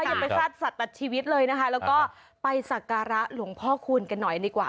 อย่าไปฟาดสัตว์ตัดชีวิตเลยนะคะแล้วก็ไปสักการะหลวงพ่อคูณกันหน่อยดีกว่า